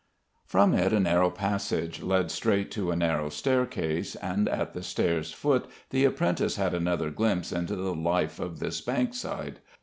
From it a narrow passage led straight to a narrow staircase; and at the stairs' foot the apprentice had another glimpse into the life of this Bankside.